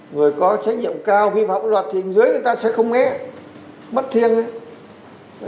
người có trách nhiệm cao vi phạm pháp luật thì dưới người ta sẽ không nghe mất thiêng ấy